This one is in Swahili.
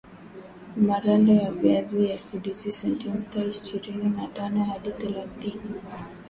marando ya viazi yasizidi sentimita ishirini na tano hadi thelathini